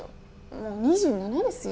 もう２７ですよ？